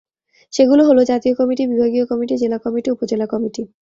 সেগুলো হলঃ জাতীয় কমিটি, বিভাগীয় কমিটি, জেলা কমিটি, উপজেলা কমিটি।